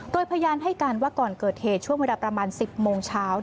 โดยพยานให้การว่าก่อนเกิดเหตุช่วงเวลาประมาณ๑๐โมงเช้า